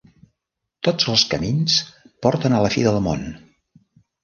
Tots els camins porten a la fi del món.